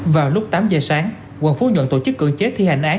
vào lúc tám giờ sáng quận phú nhuận tổ chức cưỡng chế thi hành án